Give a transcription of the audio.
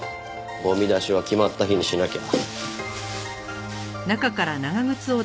ゴミ出しは決まった日にしなきゃ。